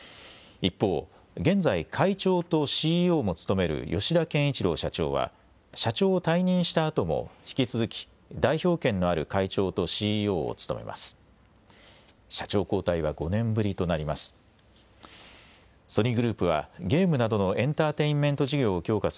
一方、現在会長とＣＥＯも務める吉田憲一郎社長は社長を退任したあとも引き続き代表権のある会長とＣＥＯを務めます。